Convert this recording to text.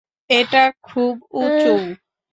এটা খুব উঁচুও।